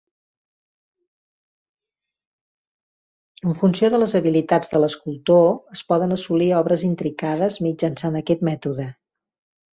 En funció de les habilitats de l'escultor, es poden assolir obres intricades mitjançant aquest mètode.